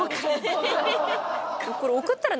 これ送ったら。